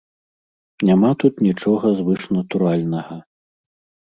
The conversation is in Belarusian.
Няма тут нічога звышнатуральнага.